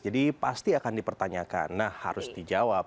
jadi pasti akan dipertanyakan nah harus dijawab